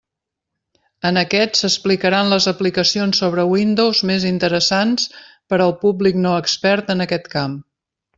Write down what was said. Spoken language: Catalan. En aquest s'explicaran les aplicacions sobre Windows més interessants per al públic no expert en aquest camp.